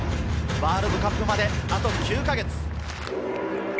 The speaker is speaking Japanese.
ワールドカップまであと９か月。